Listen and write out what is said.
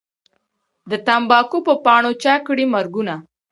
د تمباکو په پاڼو چا کړي مرګونه